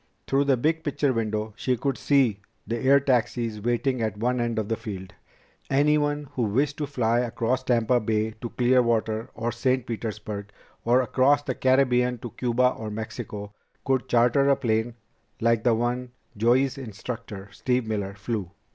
Through the big picture window She could see the air taxis waiting at one end of the field. Anyone who wished to fly across Tampa Bay to Clearwater or St. Petersburg, or across the Caribbean to Cuba or Mexico, could charter a plane like the one Joey's instructor Steve Miller flew.